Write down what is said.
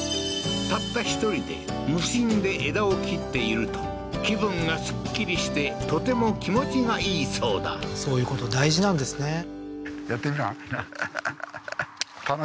たった１人で無心で枝を切っていると気分がすっきりしてとても気持ちがいいそうだそういうこと大事なんですね